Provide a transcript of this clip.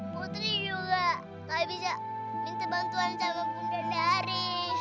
putri juga gak bisa minta bantuan sama bunda nari